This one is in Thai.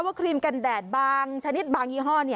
ครีมกันแดดบางชนิดบางยี่ห้อ